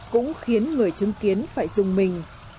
cũng khiến người chứng kiến phải dùng mình